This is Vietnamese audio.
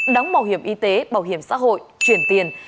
đóng bảo hiểm y tế bảo hiểm xã hội chuyển tiền